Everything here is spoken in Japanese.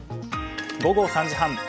午後３時半。